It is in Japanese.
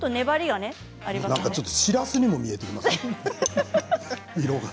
ちょっとしらすにも見えてきます色が。